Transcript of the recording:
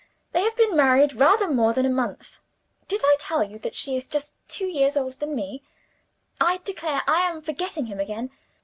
They have been married rather more than a month. Did I tell you that she is just two years older than I am? "I declare I am forgetting him again!